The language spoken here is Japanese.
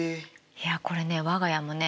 いやこれね我が家もね